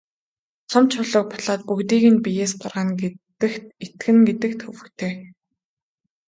Том чулууг бутлаад бүгдийг нь биеэс гаргана гэдэгт итгэнэ гэдэг төвөгтэй.